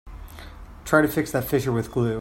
Try to fix that fissure with glue.